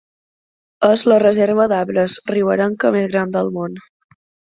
És la reserva d'arbres riberenca més gran del món.